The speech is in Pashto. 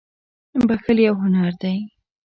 • بښل یو هنر دی.